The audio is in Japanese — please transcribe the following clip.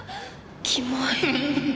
キモい。